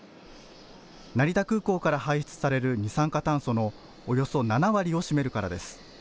成田空港から排出される二酸化炭素のおよそ７割を占めるからです。